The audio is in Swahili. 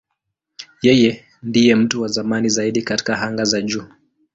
Yeye ndiye mtu wa zamani zaidi katika anga za juu.